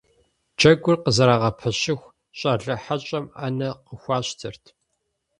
Джэгур къызэрагъэпэщыху, щӀалэ хьэщӀэм Ӏэнэ къыхуащтэрт.